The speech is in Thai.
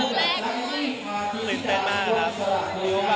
คลินใต้มากน่ะนะ